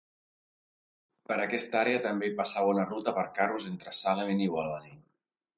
Per aquesta àrea també hi passava una ruta per a carros entre Salem i New Albany.